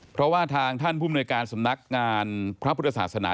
เพราะว่าทางท่านผู้มนวยการสำนักงานพระพุทธศาสนา